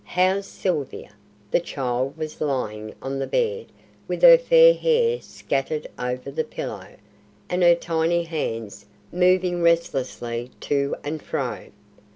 How's Sylvia?" The child was lying on the bed with her fair hair scattered over the pillow, and her tiny hands moving restlessly to and fro.